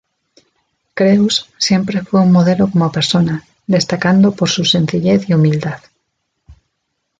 Creus siempre fue un modelo como persona, destacando por su sencillez y humildad.